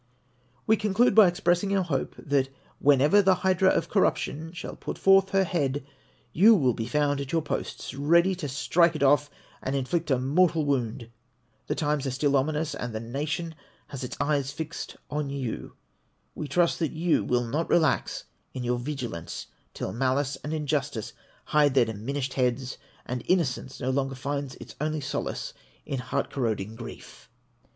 We conclude by expressing our hope that whenever the hydra of corruption shall put forth her head, you Avill be found at your posts, ready to strike it off, or inflict a mortal wound ; the times are still ominous, and the nation has its eyes fixed on you ; we trust that you Avill not relax in your vigilance till malice and injustice hide their diminished heads, and innocence no longer find its only solace in heart corroding grief.